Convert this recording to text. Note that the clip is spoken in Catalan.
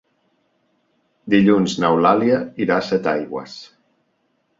Dilluns n'Eulàlia irà a Setaigües.